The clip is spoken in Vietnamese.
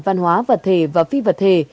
văn hóa vật thể và phi vật thể